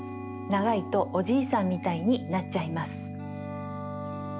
ながいとおじいさんみたいになっちゃいます。